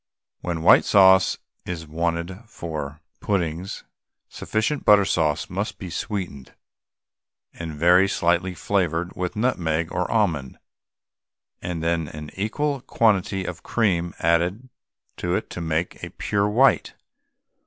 When white sauce is wanted for puddings, sufficient butter sauce must be sweetened, and very slightly flavoured with nutmeg or almond, and then an equal quantity of cream added to it to make it a pure white.